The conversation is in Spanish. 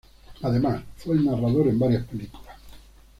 Además, fue el narrador en varias películas.